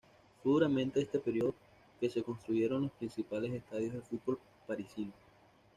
Fue durante este período que se construyeron los principales estadios de fútbol parisinos.